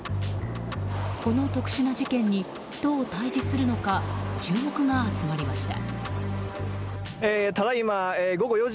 この特殊な事件にどう対峙するのか注目が集まりました。